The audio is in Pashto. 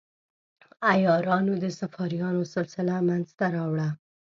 عیارانو د صفاریانو سلسله منځته راوړه.